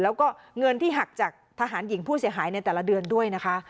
แล้วก็เงินที่หักจากทหารหญิงผู้เสียหายในแต่ละเดือนด้วยนะคะ